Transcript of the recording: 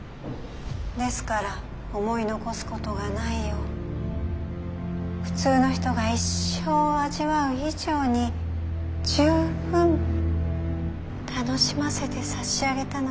ですから思い残すことがないよう普通の人が一生味わう以上に十分楽しませてさしあげたのです。